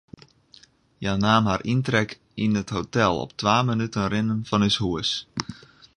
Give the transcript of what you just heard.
Hja naam har yntrek yn it hotel, op twa minuten rinnen fan ús hûs.